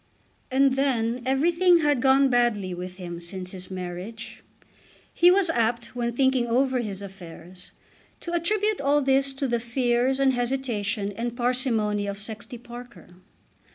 And then everything had gone badly with him since his marriage. He was apt, when thinking over his affairs, to attribute all this to the fears and hesitation and parsimony of Sexty Parker.